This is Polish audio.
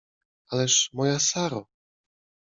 — Ależ, moja Saro!